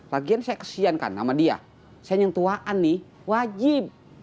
lagian saya kesian kan sama dia saya nyentuhkan nih wajib